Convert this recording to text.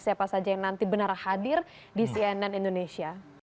siapa saja yang nanti benar hadir di cnn indonesia